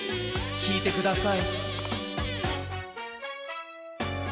きいてください。